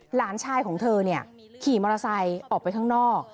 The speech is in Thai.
หลานชายของเธอขี่มอเตอร์ไซค์ออกไปข้างนอก